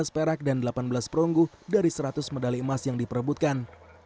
lima belas perak dan delapan belas perunggu dari seratus medali emas yang diperebutkan